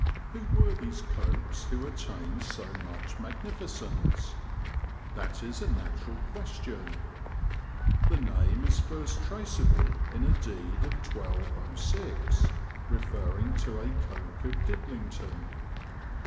Who were these Cokes who attained so much magnificence? That is a natural question. The name is first traceable in a deed of 1206, referring to a Coke of Didlington.